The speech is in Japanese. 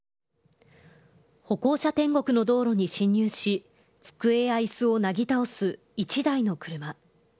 歩行者天国の道路に侵入し、机やいすをなぎ倒す一台の車。